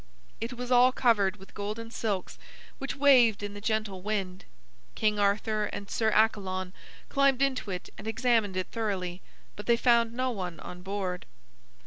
It was all covered with golden silks, which waved in the gentle wind. King Arthur and Sir Accalon climbed into it and examined it thoroughly, but they found no one on board.